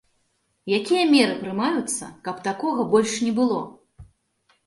Якія меры прымаюцца, каб такога больш не было?